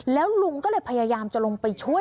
แล้วลุงก็เลยพยายามจะลงไปช่วย